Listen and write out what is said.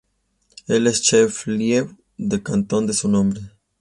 Es el "chef-lieu" de cantón de su nombre.